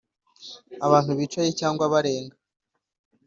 abantu bicaye cyangwa barenga